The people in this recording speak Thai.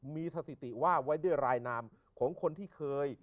มีสถิติว่าไว้ด้วยรายนามของคนที่เคย